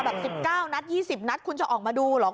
๑๙นัด๒๐นัดคุณจะออกมาดูเหรอ